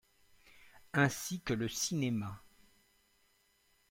Ainsi que le cinéma.